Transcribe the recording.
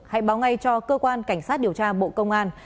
hãy báo ngay cho cơ quan cảnh sát điều tra bộ công an